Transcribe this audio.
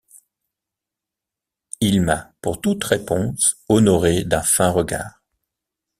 Il m’a, pour toute réponse, honorée d’un fin regard.